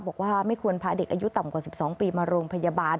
บอกว่าไม่ควรพาเด็กอายุต่ำกว่า๑๒ปีมาโรงพยาบาล